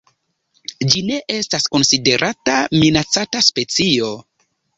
Ĝi ne estas konsiderata minacata specio.